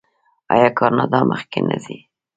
آیا کاناډا مخکې نه ځي؟